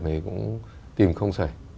thì cũng tìm không sởi